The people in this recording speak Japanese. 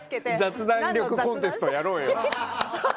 雑談力コンテストやろうよ。